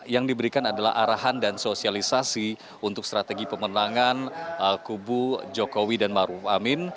yang diberikan adalah arahan dan sosialisasi untuk strategi pemenangan kubu jokowi dan maruf amin